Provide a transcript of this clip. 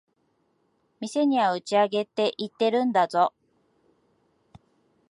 店には打ち上げって言ってるんだぞ。